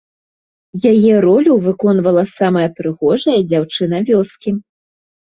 Яе ролю выконвала самая прыгожая дзяўчына вёскі.